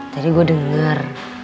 tadi gue denger